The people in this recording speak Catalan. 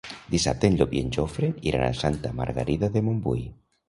Dissabte en Llop i en Jofre iran a Santa Margarida de Montbui.